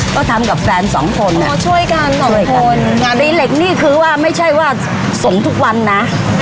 ก็ทำกับแฟนสองคนโอ้ช่วยกันสองคนงานรีเหล็กนี่คือว่าไม่ใช่ว่าส่งทุกวันนะ